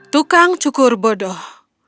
tukang cukur bodoh